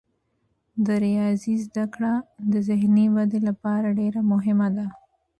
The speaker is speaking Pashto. د ریاضي زده کړه د ذهني ودې لپاره ډیره مهمه ده.